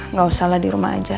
nggak usah lah di rumah aja